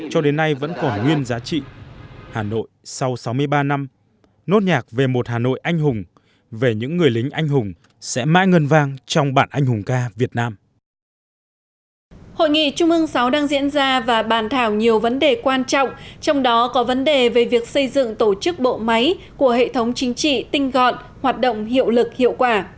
hội nghị trung ương sáu đang diễn ra và bàn thảo nhiều vấn đề quan trọng trong đó có vấn đề về việc xây dựng tổ chức bộ máy của hệ thống chính trị tinh gọn hoạt động hiệu lực hiệu quả